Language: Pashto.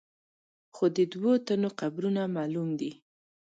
خو د دوو تنو قبرونه معلوم دي.